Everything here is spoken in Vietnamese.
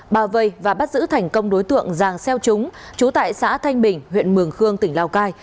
bao vây và bắt giữ thành công đối tượng giàng xeo trúng chú tại xã thanh bình huyện mường khương tỉnh lào cai